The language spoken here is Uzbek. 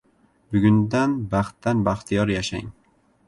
Bugundan baxtdan baxtiyor yashang.